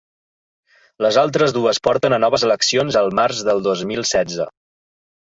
Les altres dues porten a noves eleccions el març del dos mil setze.